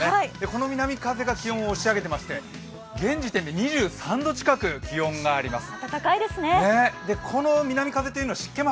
この南風が気温を押し上げていまして現時点で２３度近く、気温があります